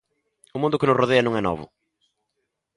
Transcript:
O mundo que nos rodea non é novo.